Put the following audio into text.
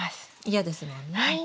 嫌ですもんね。